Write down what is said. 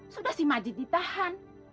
sudah si majid ditahan